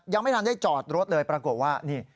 ยังไม่ทันได้จอดรถเลยปรากฏว่านี่